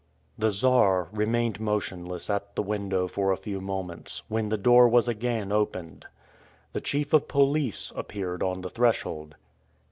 The Czar remained motionless at the window for a few moments, when the door was again opened. The chief of police appeared on the threshold.